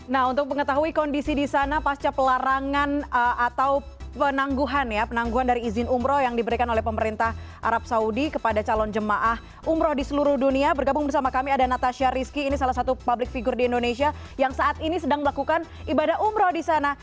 nah untuk mengetahui kondisi di sana pasca pelarangan atau penangguhan ya penangguhan dari izin umroh yang diberikan oleh pemerintah arab saudi kepada calon jemaah umroh di seluruh dunia bergabung bersama kami ada natasha rizky ini salah satu public figure di indonesia yang saat ini sedang melakukan ibadah umroh di sana